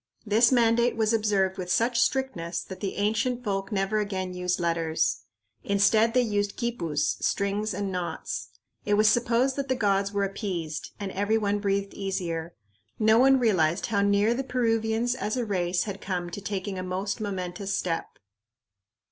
This mandate was observed with such strictness that the ancient folk never again used letters. Instead, they used quipus, strings and knots. It was supposed that the gods were appeased, and every one breathed easier. No one realized how near the Peruvians as a race had come to taking a most momentous step.